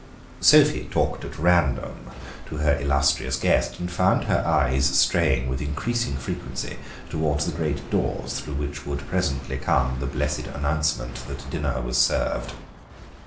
Sophie talked at random to her illustrious guest, and found her eyes straying with increasing frequency towards the great doors through which would presently come the blessed announcement that dinner was served.